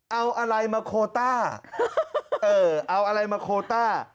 เอาอะไรมาโคต้าเออเอาอะไรมาโคต้า